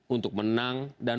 untuk menang dan